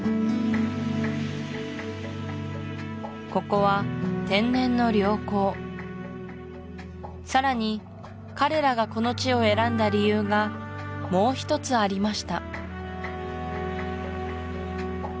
ここは天然の良港さらに彼らがこの地を選んだ理由がもう一つありました